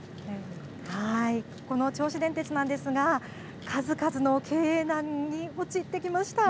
この銚子電鉄なんですが、数々の経営難に陥ってきました。